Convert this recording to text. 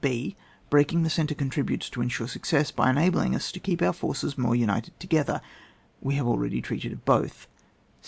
h. Breaking the centre contributes to ensure success by enabling us to keep our forces more united together. We have already treated of both.